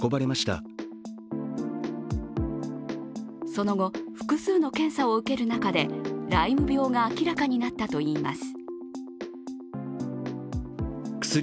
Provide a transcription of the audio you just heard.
その後、複数の検査を受ける中でライム病が明らかになったといいます。